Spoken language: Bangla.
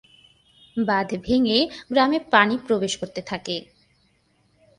বাঁধ ভেঙ্গে গ্রামে পানি প্রবেশ করতে থাকে।